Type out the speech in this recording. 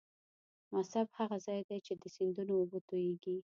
مصب هغه ځاي دې چې د سیندونو اوبه تویږي.